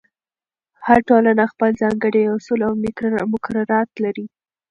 هر ټولنه خپل ځانګړي اصول او مقررات لري.